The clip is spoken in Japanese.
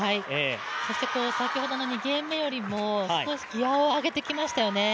そして先ほどの２ゲーム目よりも少しギアを上げてきましたよね。